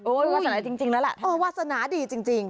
โอ้ยวาสนาจริงแล้วล่ะอ๋อวาสนาดีจริง